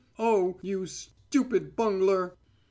Oh, you stupid bungler!"